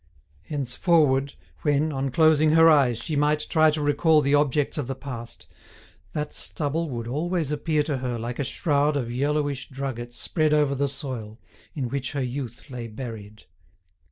Henceforward, when, on closing her eyes, she might try to recall the objects of the past, that stubble would always appear to her like a shroud of yellowish drugget spread over the soil, in which her youth lay buried.